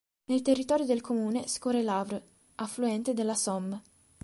Nel territorio del comune scorre l'Avre, affluente della Somme.